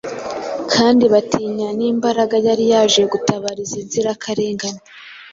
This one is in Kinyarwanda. kandi batinya n’Imbaraga yari yaje gutabara izi nzirakarengane.